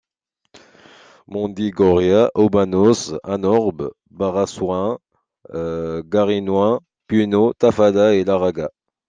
Mendigorría, Obanos, Añorbe, Barásoain, Garínoain, Pueyo, Tafalla et Larraga.